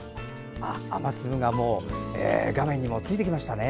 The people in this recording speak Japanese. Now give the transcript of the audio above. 雨粒が画面にもついてきましたね。